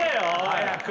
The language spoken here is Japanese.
早く。